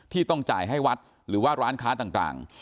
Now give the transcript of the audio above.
ต้องจ่ายให้วัดหรือว่าร้านค้าต่าง